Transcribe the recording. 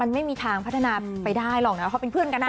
มันไม่มีทางพัฒนาไปได้หรอกนะเขาเป็นเพื่อนกันนะ